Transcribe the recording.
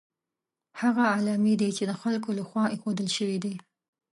هغه علامې دي چې د خلکو له خوا ایښودل شوي دي.